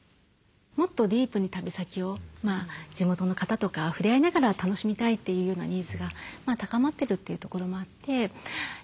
もっとディープに旅先を地元の方とか触れ合いながら楽しみたいというようなニーズが高まってるというところもあって。